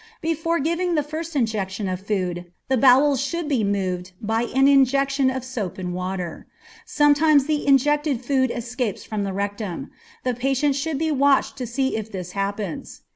Before giving the first injection of food the bowels should be moved by an injection of soap and water. Sometimes the injected food escapes from the rectum. The patient should be watched to see if this happens.